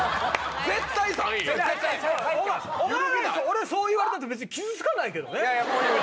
俺そう言われたって別に傷つかないけどね！